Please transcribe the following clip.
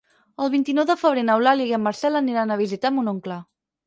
El vint-i-nou de febrer n'Eulàlia i en Marcel aniran a visitar mon oncle.